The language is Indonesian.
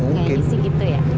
nge edisi gitu ya